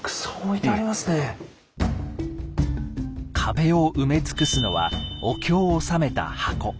壁を埋め尽くすのはお経を納めた箱。